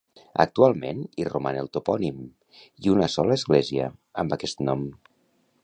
Actualment hi roman el topònim, i una sola església, amb aquest nom.